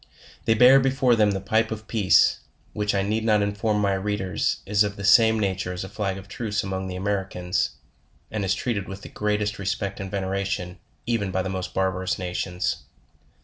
They bear before them the Pipe of peace, which I need not inform my readers is of the same nature as a flag of truce among the Americans,, and is treated with the greatest res pect and veneration, even by the most barbarous nations.